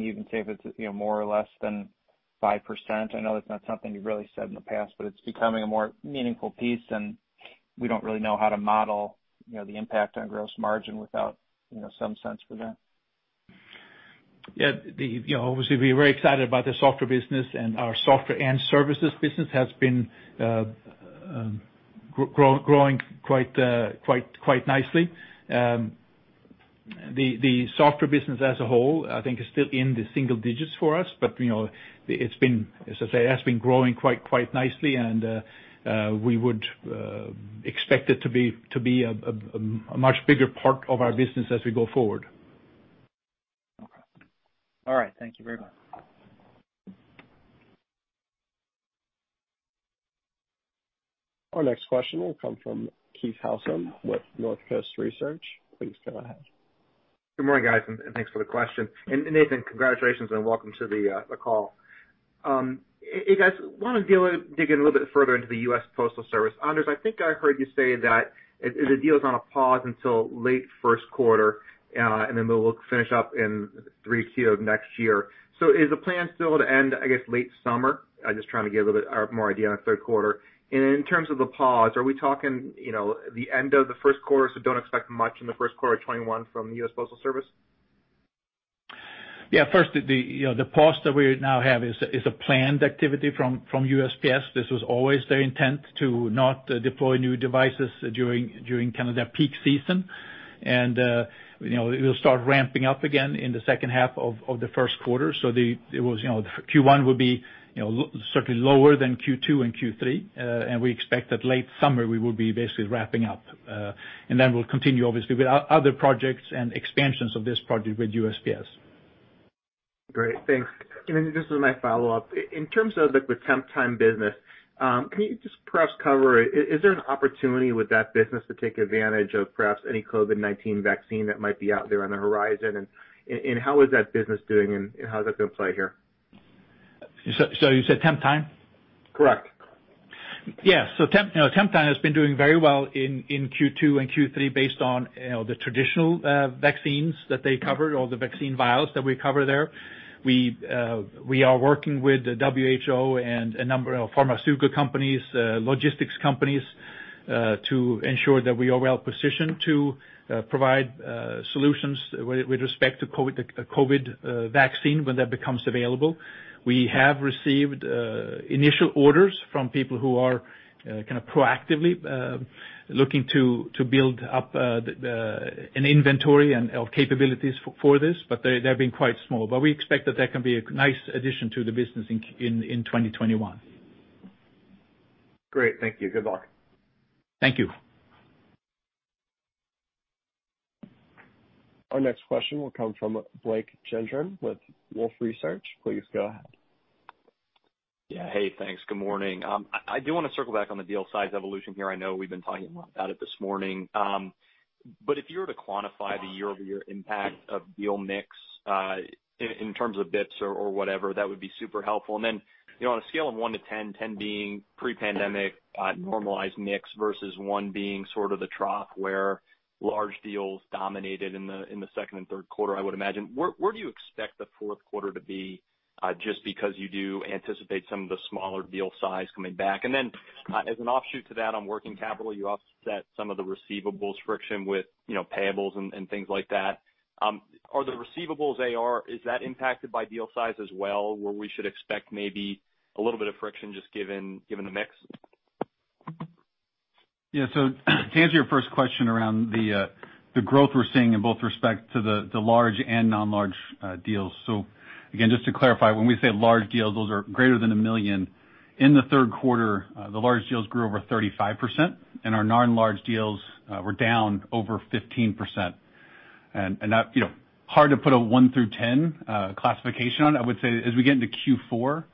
you even say if it's more or less than 5%? I know that's not something you've really said in the past, but it's becoming a more meaningful piece, and we don't really know how to model the impact on gross margin without some sense for that. Yeah. Obviously, we're very excited about the software business, and our software and services business has been growing quite nicely. The software business as a whole, I think, is still in the single digits for us. It has been growing quite nicely, and we would expect it to be a much bigger part of our business as we go forward. Okay. All right. Thank you very much. Our next question will come from Keith Housum with Northcoast Research. Please go ahead. Good morning, guys, thanks for the question. Nathan, congratulations and welcome to the call. Hey, guys, want to dig in a little bit further into the U.S. Postal Service. Anders, I think I heard you say that the deal is on a pause until late Q1, and then we'll finish up in 3Q of next year. Is the plan still to end, I guess, late summer? I'm just trying to get a little bit more idea on the Q3. In terms of the pause, are we talking the end of the Q1, so don't expect much in the Q1 of 2021 from the U.S. Postal Service? Yeah. First, the pause that we now have is a planned activity from USPS. It will start ramping up again in the H2 of the Q1. Q1 will be certainly lower than Q2 and Q3, and we expect that late summer we will be basically wrapping up. We'll continue obviously with other projects and expansions of this project with USPS. Great. Thanks. Then just as my follow-up, in terms of the Temptime business, can you just perhaps cover, is there an opportunity with that business to take advantage of perhaps any COVID-19 vaccine that might be out there on the horizon? How is that business doing, and how does that go play here? You said Temptime? Correct. Yeah. Temptime has been doing very well in Q2 and Q3 based on the traditional vaccines that they cover, all the vaccine vials that we cover there. We are working with the WHO and a number of pharmaceutical companies, logistics companies, to ensure that we are well-positioned to provide solutions with respect to COVID vaccine when that becomes available. We have received initial orders from people who are kind of proactively looking to build up an inventory and capabilities for this, but they've been quite small. We expect that that can be a nice addition to the business in 2021. Great. Thank you. Good luck. Thank you. Our next question will come from Blake Gendron with Wolfe Research. Please go ahead. Yeah. Hey, thanks. Good morning. I do want to circle back on the deal size evolution here. I know we've been talking a lot about it this morning. If you were to quantify the year-over-year impact of deal mix, in terms of bits or whatever, that would be super helpful. Then, on a scale of one to 10 being pre-pandemic normalized mix versus one being sort of the trough where large deals dominated in the second and Q3, I would imagine, where do you expect the Q4 to be, just because you do anticipate some of the smaller deal size coming back? Then as an offshoot to that, on working capital, you offset some of the receivables friction with payables and things like that. Are the receivables AR, is that impacted by deal size as well, where we should expect maybe a little bit of friction just given the mix? Yeah. To answer your first question around the growth we're seeing in both respect to the large and non-large deals. Again, just to clarify, when we say large deals, those are greater than $1 million. In the Q3, the large deals grew over 35%, and our non-large deals were down over 15%. Hard to put a one through 10 classification on it. I would say as we get into Q4,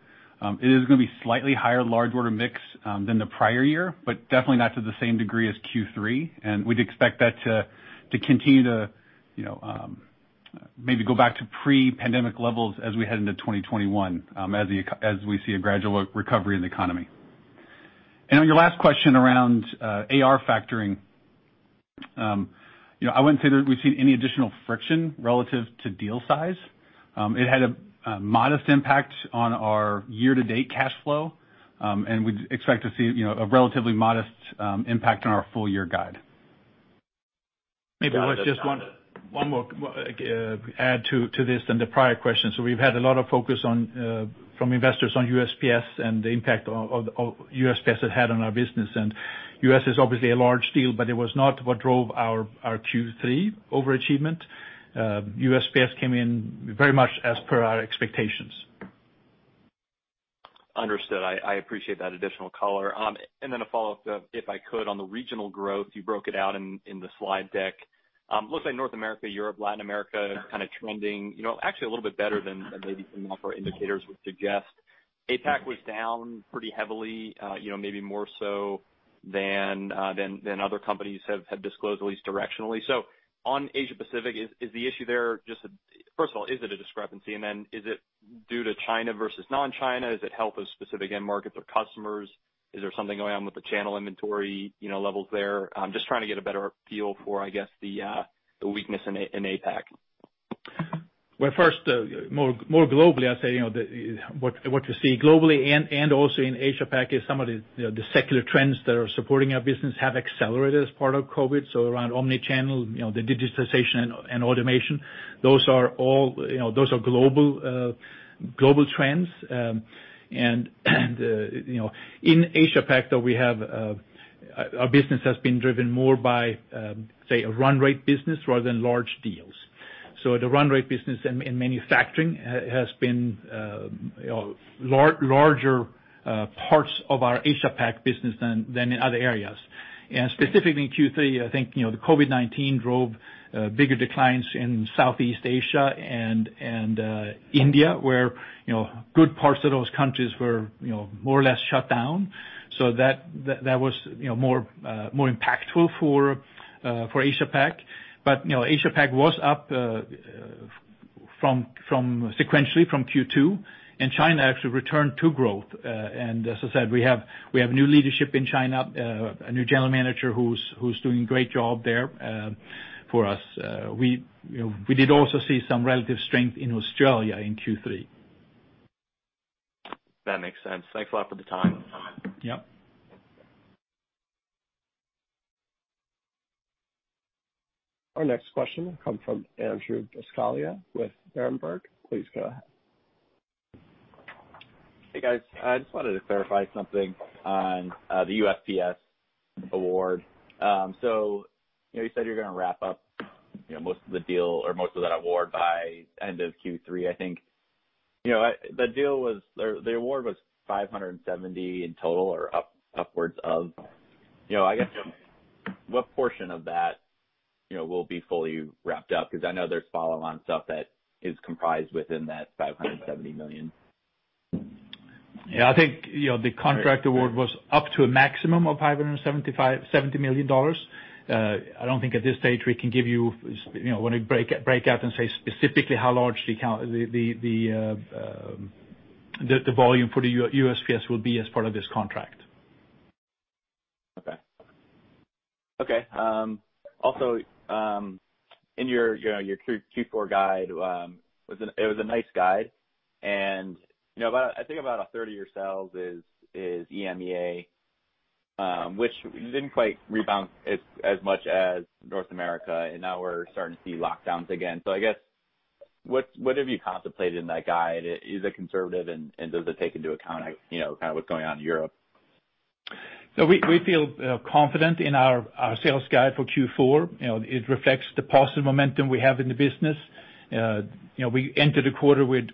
it is going to be slightly higher large order mix than the prior year, but definitely not to the same degree as Q3, and we'd expect that to continue to maybe go back to pre-pandemic levels as we head into 2021, as we see a gradual recovery in the economy. On your last question around AR factoring, I wouldn't say that we've seen any additional friction relative to deal size. It had a modest impact on our year-to-date cash flow, and we'd expect to see a relatively modest impact on our full-year guide. Maybe just one more add to this than the prior question. We've had a lot of focus from investors on USPS and the impact USPS has had on our business. U.S. is obviously a large deal, but it was not what drove our Q3 overachievement. USPS came in very much as per our expectations. Understood. I appreciate that additional color. A follow-up, if I could, on the regional growth. You broke it out in the slide deck. Looks like North America, Europe, Latin America, kind of trending actually a little bit better than maybe some of our indicators would suggest. APAC was down pretty heavily, maybe more so than other companies have disclosed, at least directionally. On Asia Pacific, first of all, is it a discrepancy, and then is it due to China versus non-China? Is it help of specific end markets or customers? Is there something going on with the channel inventory levels there? I'm just trying to get a better feel for, I guess, the weakness in APAC. Well, first, more globally, I'd say what you see globally and also in Asia Pac is some of the secular trends that are supporting our business have accelerated as part of COVID. Around omni-channel, the digitization and automation, those are global trends. In Asia Pac, though, our business has been driven more by, say, a run rate business rather than large deals. The run rate business in manufacturing has been larger parts of our Asia Pac business than in other areas. Specifically in Q3, I think the COVID-19 drove bigger declines in Southeast Asia and India, where good parts of those countries were more or less shut down. That was more impactful for Asia Pac. Asia Pac was up sequentially from Q2, and China actually returned to growth. As I said, we have new leadership in China, a new general manager who's doing a great job there for us. We did also see some relative strength in Australia in Q3. That makes sense. Thanks a lot for the time. Yep. Our next question will come from Andrew Buscaglia with Berenberg. Please go ahead. Hey, guys. I just wanted to clarify something on the USPS award. You said you're going to wrap up most of the deal or most of that award by end of Q3, I think. The award was $570 in total or upwards of. I guess, what portion of that will be fully wrapped up? I know there's follow-on stuff that is comprised within that $570 million. Yeah, I think, the contract award was up to a maximum of $570 million. I don't think at this stage we can give you, when we break out and say specifically how large the volume for the USPS will be as part of this contract. Okay. Also, in your Q4 guide, it was a nice guide, and I think about a third of your sales is EMEA, which didn't quite rebound as much as North America, and now we're starting to see lockdowns again. So I guess, what have you contemplated in that guide? Is it conservative, and does it take into account, kind of what's going on in Europe? We feel confident in our sales guide for Q4. It reflects the positive momentum we have in the business. We entered the quarter with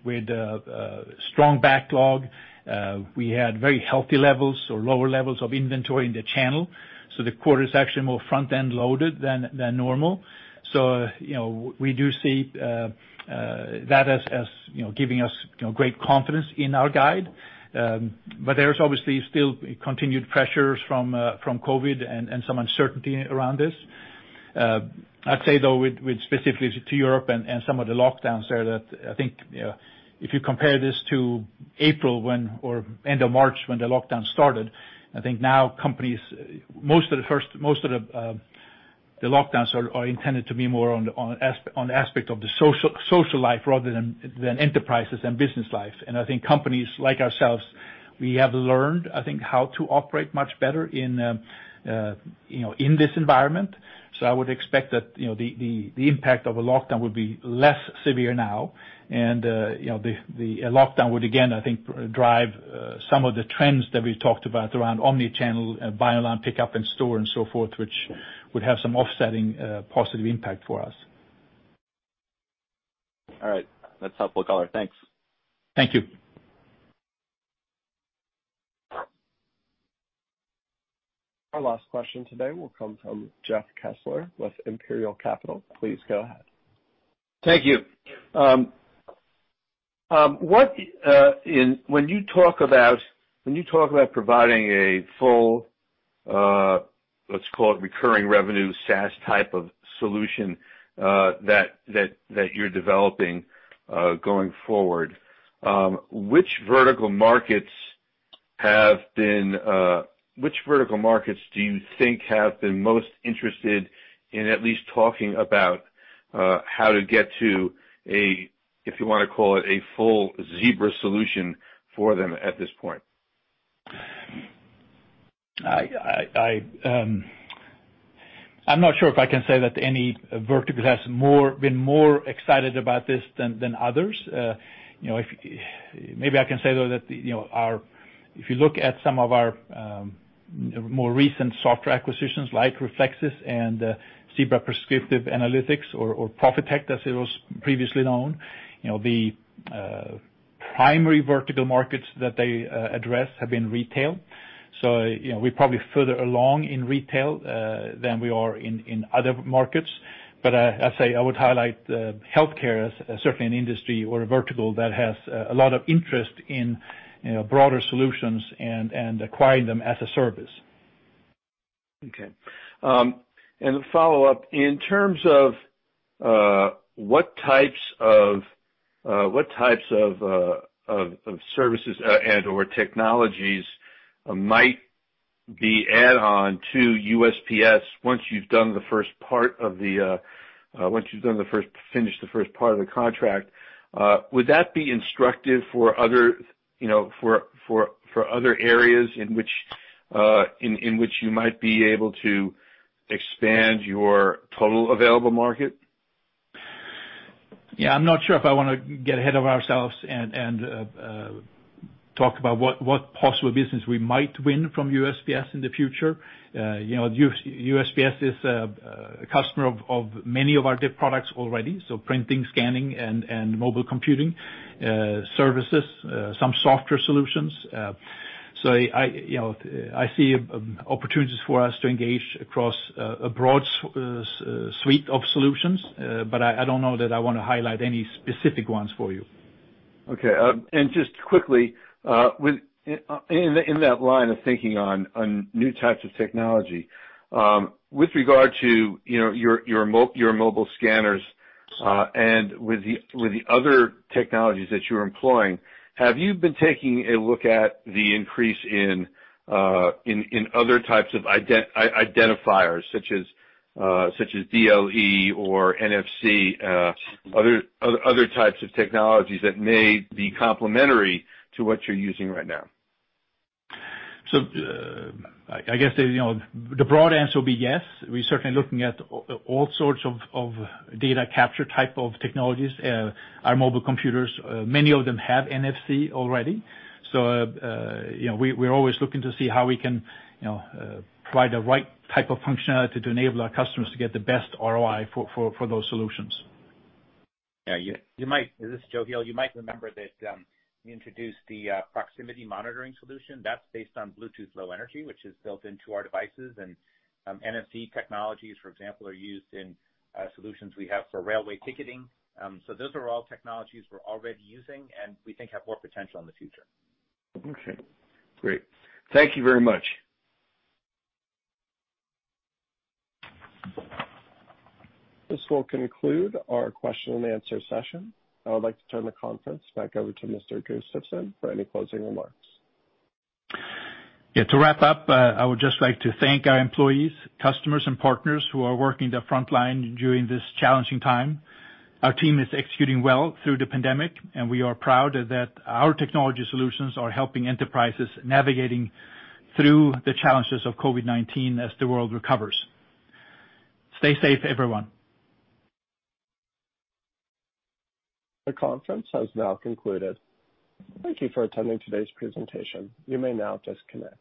strong backlog. We had very healthy levels or lower levels of inventory in the channel. The quarter is actually more front-end loaded than normal. We do see that as giving us great confidence in our guide. There is obviously still continued pressures from COVID and some uncertainty around this. I'd say, though, with specifically to Europe and some of the lockdowns there, that I think if you compare this to April or end of March, when the lockdowns started, I think now companies, most of the lockdowns are intended to be more on aspect of the social life rather than enterprises and business life. I think companies like ourselves, we have learned, I think, how to operate much better in this environment. I would expect that the impact of a lockdown would be less severe now. The lockdown would, again, I think, drive some of the trends that we've talked about around omni-channel, buy online, pickup in store and so forth, which would have some offsetting positive impact for us. All right. That's helpful colors. Thanks. Thank you. Our last question today will come from Jeff Kessler with Imperial Capital. Please go ahead. Thank you. When you talk about providing a full, let's call it recurring revenue SaaS type of solution that you're developing going forward, which vertical markets do you think have been most interested in at least talking about how to get to a, if you want to call it a full Zebra solution for them at this point? I'm not sure if I can say that any vertical has been more excited about this than others. Maybe I can say, though, that if you look at some of our more recent software acquisitions like Reflexis and Zebra Prescriptive Analytics, or Profitect as it was previously known, the primary vertical markets that they address have been retail. We're probably further along in retail than we are in other markets. As I say, I would highlight healthcare as certainly an industry or a vertical that has a lot of interest in broader solutions and acquiring them as a service. Okay. A follow-up, in terms of what types of services and/or technologies might be add on to USPS once you've finished the first part of the contract, would that be instructive for other areas in which you might be able to expand your total available market? Yeah, I'm not sure if I want to get ahead of ourselves and talk about what possible business we might win from USPS in the future. USPS is a customer of many of our products already. Printing, scanning, and mobile computing services, some software solutions. I see opportunities for us to engage across a broad suite of solutions. I don't know that I want to highlight any specific ones for you. Okay. Just quickly, in that line of thinking on new types of technology, with regard to your mobile scanners, and with the other technologies that you're employing, have you been taking a look at the increase in other types of identifiers such as DOE or NFC, other types of technologies that may be complementary to what you're using right now? I guess, the broad answer would be yes. We're certainly looking at all sorts of data capture type of technologies. Our mobile computers, many of them have NFC already. We're always looking to see how we can provide the right type of functionality to enable our customers to get the best ROI for those solutions. This is Joe Heel. You might remember that we introduced the proximity monitoring solution that's based on Bluetooth Low Energy, which is built into our devices. NFC technologies, for example, are used in solutions we have for railway ticketing. Those are all technologies we're already using and we think have more potential in the future. Okay, great. Thank you very much. This will conclude our question and answer session. I would like to turn the conference back over to Mr. Gustafsson for any closing remarks. To wrap up, I would just like to thank our employees, customers, and partners who are working the front line during this challenging time. Our team is executing well through the pandemic, and we are proud that our technology solutions are helping enterprises navigating through the challenges of COVID-19 as the world recovers. Stay safe, everyone. The conference has now concluded. Thank you for attending today's presentation. You may now disconnect.